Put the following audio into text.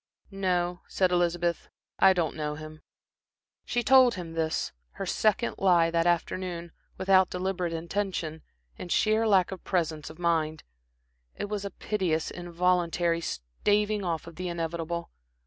"No," said Elizabeth. "I don't know him." She told him this, her second lie that afternoon, without deliberate intention, in sheer lack of presence of mind. It was a piteous, involuntary staving off of the inevitable.